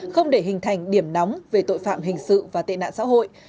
không để hình thành điểm nóng về tội phạm hình sự và tệ nạn xã hội